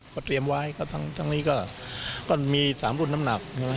พอเตรียมไว้ทางนี้ก็มี๓รุ่นน้ำหนัก